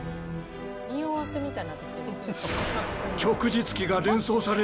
におわせみたいになってきてるやん。